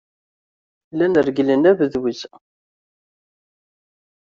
Llan regglen abduz.